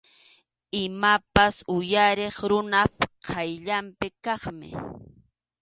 Imapas uyariq runap qayllanpi kaqmi.